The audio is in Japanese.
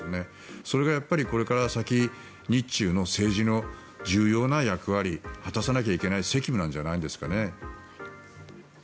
それがこれから先日中の政治の重要な役割果たさなきゃならない責務なんじゃないですかね。